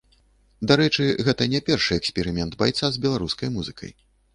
Дарэчы, гэта не першы эксперымент байца з беларускай музыкай.